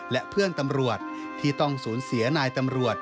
และเพื่อนตำรวจที่ต้องสูญเสียนายตำรวจ